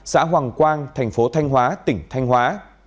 xã hoàng quang thành phố thanh hóa tỉnh thanh hóa